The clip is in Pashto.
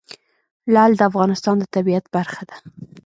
لعل د افغانستان د طبیعت برخه ده.